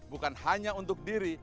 bukan hanya untuk diri